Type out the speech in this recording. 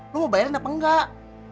lu mau bayarin apa enggak